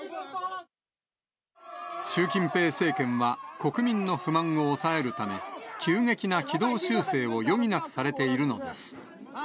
習近平政権は、国民の不満を抑えるため、急激な軌道修正を余儀なくされているのです。